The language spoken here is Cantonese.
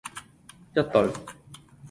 一對